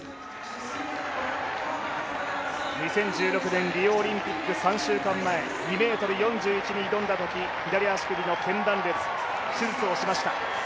２０１６年リオオリンピック３週間前２ｍ４１に挑んだときに左足首のけん断裂、手術をしました。